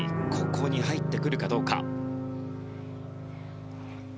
ここに入ってくるかどうか。